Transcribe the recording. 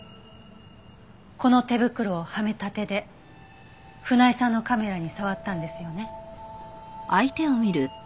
この手袋をはめた手で船井さんのカメラに触ったんですよね？